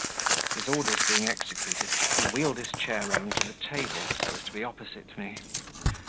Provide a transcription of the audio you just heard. His orders being executed, he wheeled his chair round to the table, so as to be opposite me.